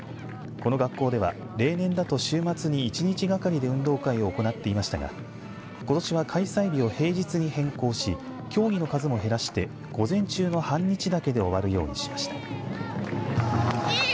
この学校では例年だと週末に一日がかりで運動会を行っていましたがことしは開催日を平日に変更し競技の数も減らして午前中の半日だけで終わるようにしました。